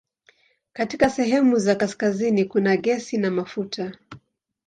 Katika sehemu za kaskazini kuna gesi na mafuta.